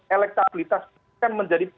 elektabilitas kan menjadi